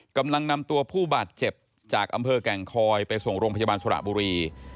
กำลังนำตัวผู้บาดเจ็บจากอำเภอแก่งคอยไปส่งโรงพยาบาลสระบุรี